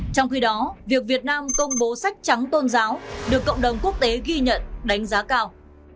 trong khi đó việc việt nam công bố sách trắng tôn giáo được cộng đồng quốc tế ghi nhận đánh giá cao